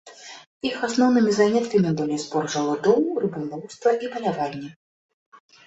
Іх асноўнымі заняткамі былі збор жалудоў, рыбалоўства і паляванне.